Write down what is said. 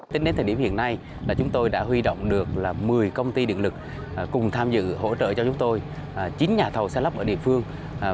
tính đến thời điểm hiện nay chúng tôi đã huy động được một mươi công ty điện lực cùng tham dự hỗ trợ cho chúng tôi chín nhà thầu xe lắp ở địa phương